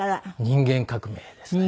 『人間革命』ですね。